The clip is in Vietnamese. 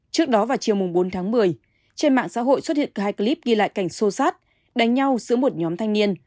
trước đó vào chiều bốn tháng một mươi trên mạng xã hội xuất hiện hai clip ghi lại cảnh sô sát đánh nhau giữa một nhóm thanh niên